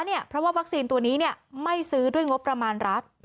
เพราะว่าวัคซีนตัวนี้ไม่ซื้อด้วยงบประมาณรัฐ